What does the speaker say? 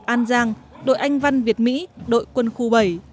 an giang đội anh văn việt mỹ đội quân khu bảy